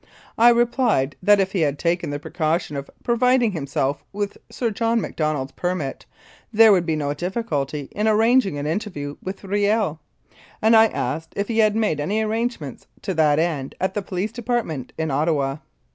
I replied that if he had taken the precaution of providing himself with Sir John Macdonald's permit there would be no difficulty in arranging an interview with Riel, and I asked if he had made any arrangements to that end at the Police Department in Ottawa.